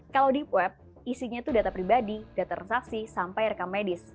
kalau di web isinya itu data pribadi data transaksi sampai rekam medis